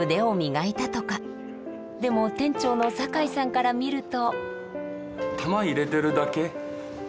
でも店長の酒井さんから見ると。